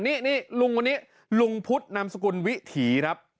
นี่ลุงคนนี้ลุงพุทธนามสกุลวิถีครับ